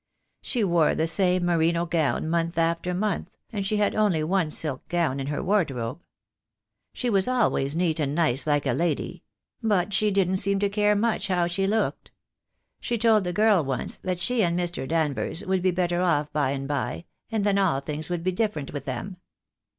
She wore the same merino gown month after month, and she had only one silk gown in her wardrobe. She was always neat and nice, like a lady; but she didn't seem to care much how she looked. She told the girl once that she and Mr. Danvers would be better off by and by, and then all things would be different with them.